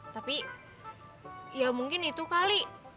tapi ya mungkin itu kali